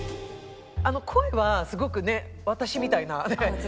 声はすごくね私みたいなね